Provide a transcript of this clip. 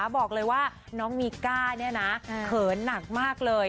บอกเลยว่าน้องมีก้าเนี่ยนะเขินหนักมากเลย